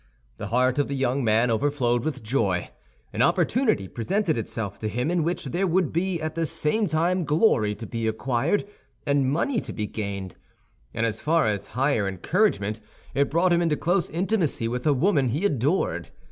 The heart of the young man overflowed with joy. An opportunity presented itself to him in which there would be at the same time glory to be acquired, and money to be gained; and as a far higher encouragement, it brought him into close intimacy with a woman he adored.